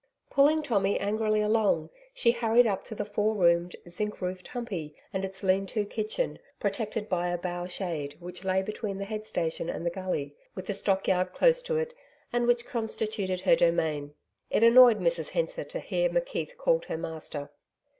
Pulling Tommy angrily along, she hurried up to the four roomed, zinc roofed humpey and its lean to kitchen, protected by a bough shade, which lay between the head station and the gully, with the stockyard close to it, and which constituted her domain. It annoyed Mrs Hensor to hear McKeith called her master.